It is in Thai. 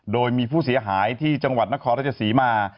โดยมีผู้เสียหายที่จังหวัดนครราชศรีมา